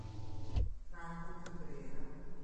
Franco Cabrera